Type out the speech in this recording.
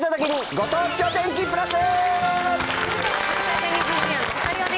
ご当地お天気プラス。